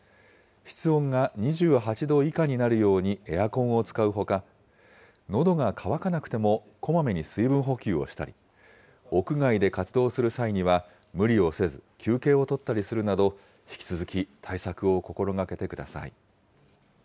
室温が２８度以下になるようにエアコンを使うほか、のどが渇かなくてもこまめに水分補給をしたり、屋外で活動する際には、無理をせず、休憩を取ったりするなど、引き続き対策を心がけてください。